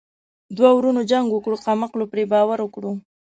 ـ دوه ورونو جنګ وکړو کم عقلو پري باور وکړو.